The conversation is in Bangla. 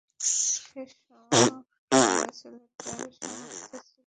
সে সব সময় ছেলেটার সমর্থনে ছিল।